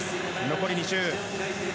残り２周。